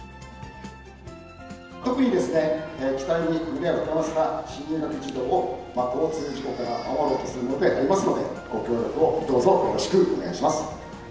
特に、期待に胸を膨らませた新入学児童を交通事故から守ろうというものでありますので、ご協力をどうぞよろしくお願いします。